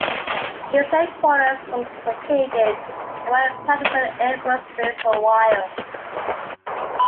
Its headquarters was located at Wright-Patterson Air Force Base, Ohio.